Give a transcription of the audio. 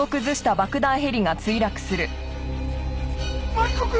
マリコ君！